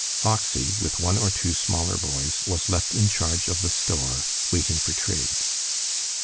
Foxy, with one or two smaller boys, was left in charge of the store waiting for trade.